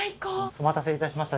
お待たせいたしました。